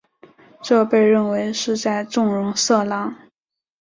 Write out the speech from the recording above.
这被认为是在纵容色狼。